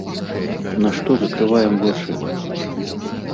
На што закрываем вочы?